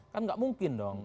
kan tidak mungkin dong